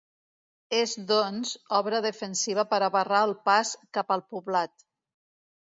És doncs, obra defensiva per a barrar el pas cap al poblat.